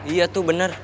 iya tuh bener